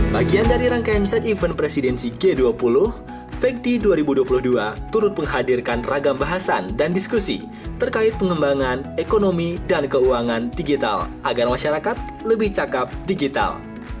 bagian dari rangkaian set event presidensi g dua puluh lima puluh dua ribu dua puluh dua turut menghadirkan ragam bahasan dan diskusi terkait pengembangan ekonomi dan keuangan digital agar masyarakat lebih cakep digital